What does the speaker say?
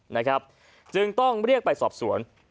นะครับจึงต้องเรียกไปสอบสวน